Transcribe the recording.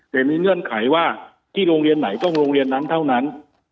แต่มีเงื่อนไขว่าที่โรงเรียนไหนต้องโรงเรียนนั้นเท่านั้น